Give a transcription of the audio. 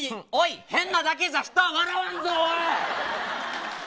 変なだけじゃ人は笑わんぞ。